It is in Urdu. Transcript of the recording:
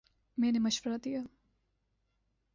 میں نے مشورہ دیا